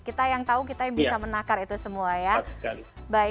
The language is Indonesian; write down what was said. kita yang tahu kita yang bisa menakar itu semua ya